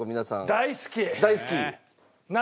大好き。